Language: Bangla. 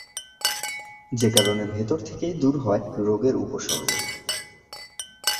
যে কারণে ভেতর থেকেই দূর হয় রোগের উপসর্গ।